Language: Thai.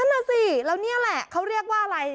นั่นน่ะสิแล้วนี่แหละเขาเรียกว่าอะไร